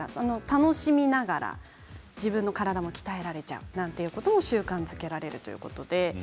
楽しみながら自分の体も鍛えられちゃうということを習慣づけられるということです。